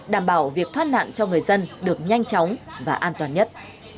đảm bảo việc thoát nạn cho người dân được nhanh chóng và an toàn nhất